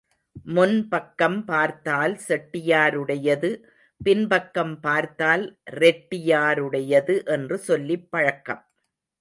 முன் பக்கம் பார்த்தால் செட்டியாருடையது பின்பக்கம் பார்த்தால் ரெட்டியாருடையது என்று சொல்லிப் பழக்கம்.